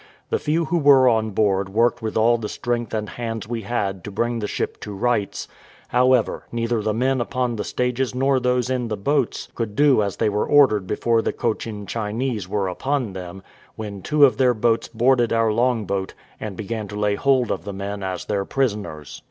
The few who were on board worked with all the strength and hands we had to bring the ship to rights; however, neither the men upon the stages nor those in the boats could do as they were ordered before the Cochin Chinese were upon them, when two of their boats boarded our longboat, and began to lay hold of the men as their prisoners.